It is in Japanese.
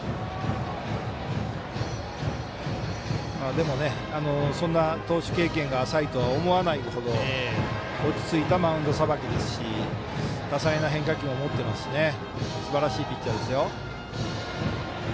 でも、そんな投手経験が浅いとは思わないほど落ち着いたマウンドさばきですし多彩な変化球も持ってますしすばらしいピッチャーですよ。